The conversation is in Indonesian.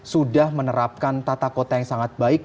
sudah menerapkan tata kota yang sangat baik